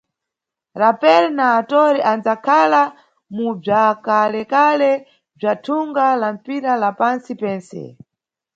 Rapper na actor anʼdzakhala mu bzwakalekale bzwa thunga la mpira la pantsi pentse.